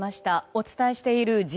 お伝えしているＧ２０